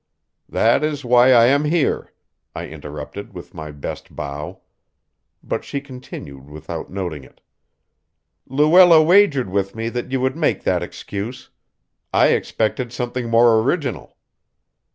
"That is why I am here," I interrupted with my best bow. But she continued without noting it: "Luella wagered with me that you would make that excuse. I expected something more original."